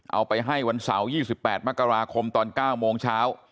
เอาไปให้วันเสาร์๒๘มกราคมตอน๙โมงเช้า